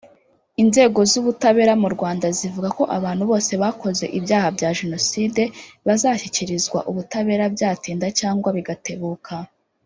Inzego z’Ubutabera mu Rwanda zivuga ko abantu bose bakoze ibyaha bya Jenoside bazashyikirizwa ubutabera byatinda cyangwa bigatebuka